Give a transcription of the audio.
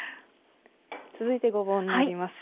続いてごぼうになります。